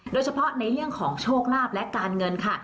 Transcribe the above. โดยเฉพาะในเรื่องของโชคลาภและการเงินค่ะ